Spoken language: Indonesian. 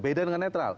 beda dengan netral